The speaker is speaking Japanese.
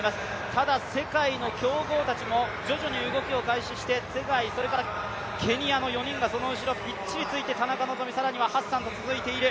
ただ世界の強豪たちも徐々に動きを開始して、ツェガイ、それからケニアの４人がその後ろびっしりついて田中希実、ハッサンと続いている。